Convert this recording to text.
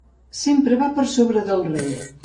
Sempre va per sobre del rei.